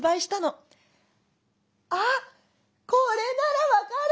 「あっこれなら分かる！」。